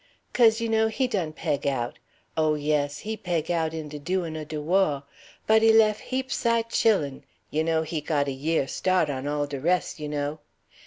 'Caze, you know, he done peg out. Oh, yes, he peg out in de du'in' o' de waugh. But he lef' heap sight chillen; you know, he got a year' staht o' all de res', you know.